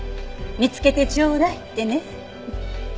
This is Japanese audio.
「見つけてちょうだい」ってね。